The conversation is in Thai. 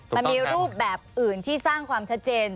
มันมีรูปแบบอื่นที่สร้างความชัดเจน